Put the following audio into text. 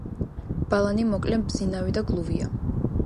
ბალანი მოკლე, მბზინავი და გლუვია.